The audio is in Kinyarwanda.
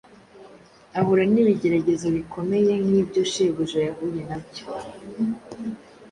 Ahura n’ibigeragezo bikomeye nk’ibyo Shebuja yahuye nabyo;